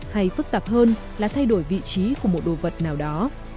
hay phức tạp hơn là thay đổi vị trí của một đồ vật nào đó